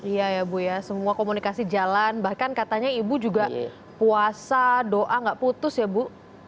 iya ya bu ya semua komunikasi jalan bahkan katanya ibu juga puasa doa gak putus ya bu